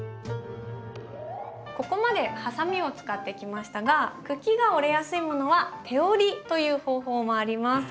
ここまでハサミを使ってきましたが茎が折れやすいものは手折りという方法もあります。